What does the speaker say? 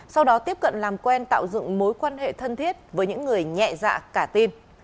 sau đó tiếp cận làm quen tạo dựng mối quan hệ thân thiết với những người nhẹ dạ cả tin